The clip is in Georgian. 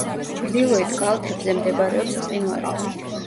ჩრდილოეთ კალთებზე მდებარეობს მყინვარები.